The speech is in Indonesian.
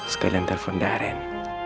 sekalian telfon daren